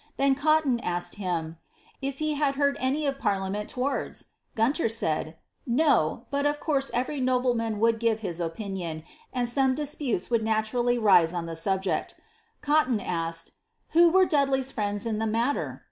Then Cotton asked him ^^ if he I lad heard of any parliament towards?" Guntor said, No; but of course every nobleman would give his opinion, and some disputes 1 »oald naturally rise on the subject." Cotton asked, '^ Who were Dud ' l«y'8 friends in the matter